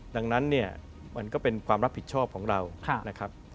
ดังนั้นมันก็เป็นความรับผิดชอบของเรา